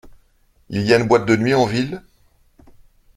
Il y a une boîte de nuit en ville ?